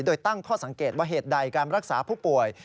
โดยตั้งข้อสังเกตว่าเหตุใดการรักษาผู้ป่วย